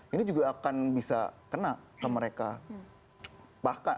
ini juga akan bisa kena ke mereka